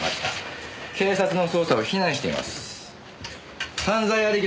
警察の捜査を非難しています。